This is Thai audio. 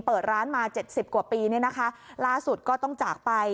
เปิดร้านมา๗๐กว่าปีล่าสุดก็ต้องจากไป